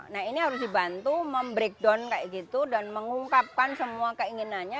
nah ini harus dibantu membreakdown kayak gitu dan mengungkapkan semua keinginannya